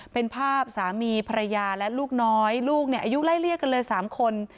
เป็นภาพสามีภรรยาและลูกน้อยลูกอายุไล่เรียกกันเลย๓คน